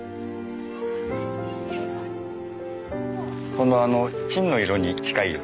この芯の色に近いよ。